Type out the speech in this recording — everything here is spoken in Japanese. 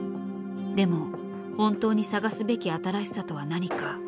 でも本当に探すべき新しさとは何か。